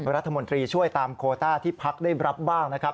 รัฐมนตรีช่วยตามโคต้าที่พักได้รับบ้างนะครับ